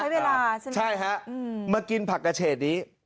เวลาใช่ไหมใช่ฮะมากินผักกระเฉดนี้